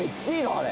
あれ。